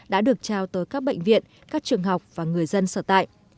đã được trao tới các bệnh viện các trường học và người dân sở tại